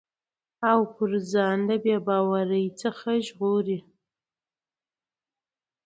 او پر ځان د بې باورٸ څخه ژغوري